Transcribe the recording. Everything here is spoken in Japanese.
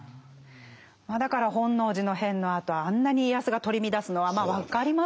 だから本能寺の変のあとあんなに家康が取り乱すのはまあ分かりますよね。